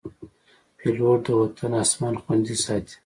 پیلوټ د وطن اسمان خوندي ساتي.